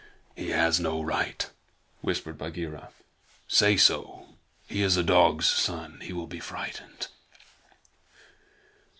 "He has no right," whispered Bagheera. "Say so. He is a dog's son. He will be frightened."